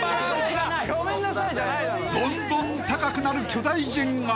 ［どんどん高くなる巨大ジェンガ］